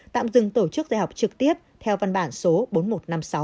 tạm dừng tổ chức dạy học trực tiếp theo văn bản số bốn nghìn một trăm năm mươi sáu